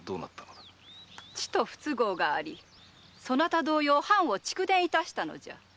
ちと不都合がありそなた同様藩を逐電いたした。